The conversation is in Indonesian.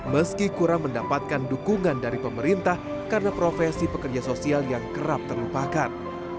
meski kurang mendapatkan dukungan dari pemerintah karena profesi pekerja sosial yang kerap terlupakan